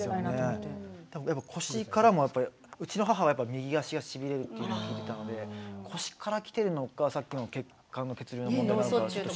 たぶん腰からもやっぱりうちの母は右足がしびれるっていうのを言ってたので腰から来ているのかさっきの血管の血流の問題なのか。